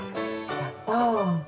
やった！